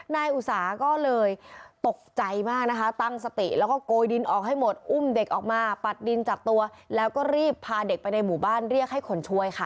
นายอุตสาก็เลยตกใจมากนะคะตั้งสติแล้วก็โกยดินออกให้หมดอุ้มเด็กออกมาปัดดินจับตัวแล้วก็รีบพาเด็กไปในหมู่บ้านเรียกให้คนช่วยค่ะ